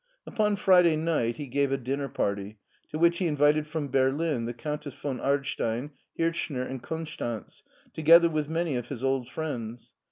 Upon Friday night he gave a dinner party, to which he invited from Berlin the Countess von Ardstein, Hirchner, and Konstanz, together with many of his old friends.